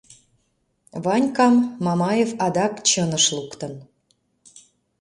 Ванькам Мамаев адак чыныш луктын.